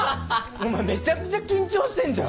お前めちゃくちゃ緊張してんじゃん！